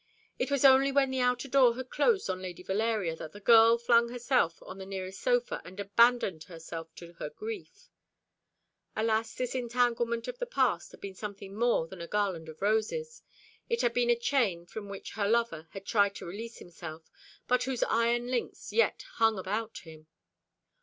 It was only when the outer door had closed on Lady Valeria that the girl flung herself on the nearest sofa and abandoned herself to her grief. Alas, this entanglement of the past had been something more than a garland of roses. It had been a chain from which her lover had tried to release himself, but whose iron links yet hung about him.